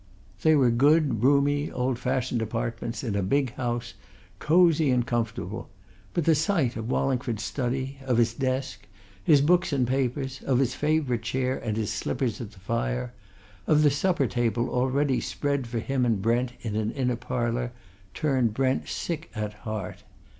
They were good, roomy, old fashioned apartments in a big house, cosy and comfortable, but the sight of Wallingford's study, of his desk, his books and papers, of his favourite chair and his slippers at the fire, of the supper table already spread for him and Brent in an inner parlour, turned Brent sick at heart.